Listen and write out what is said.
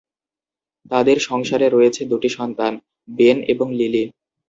তাদের সংসারে রয়েছে দুটি সন্তান- বেন এবং লিলি।